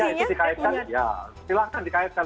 ya silahkan dikaitkan